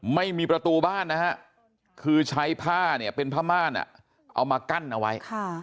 ไม่มีประตูบ้านนะฮะคือใช้ผ้าเนี่ยเป็นผ้าม่านเอามากั้นเอาไว้